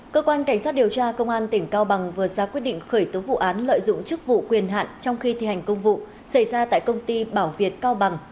cơ quan cảnh sát điều tra công an tỉnh cao bằng vừa ra quyết định khởi tố vụ án lợi dụng chức vụ quyền hạn trong khi thi hành công vụ xảy ra tại công ty bảo việt cao bằng